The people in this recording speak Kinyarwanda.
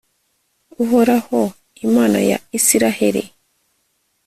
uhoraho, imana ya israheli